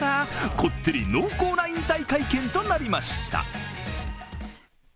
こってり濃厚な引退会見となりました。